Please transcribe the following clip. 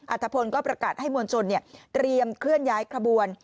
ธพลก็ประกาศให้มวลชนเตรียมเคลื่อนย้ายขบวน